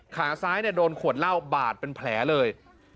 ขาซ้ายโดนขวดเหล้าบาดเป็นแผลเลย